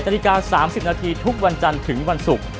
นาฬิกา๓๐นาทีทุกวันจันทร์ถึงวันศุกร์